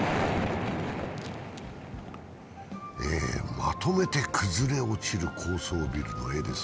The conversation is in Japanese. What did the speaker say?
まとめて崩れ落ちる高層ビルの画です。